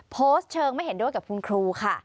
โพสต์เชิงไม่เห็นด้วยกับคุณครูค่ะ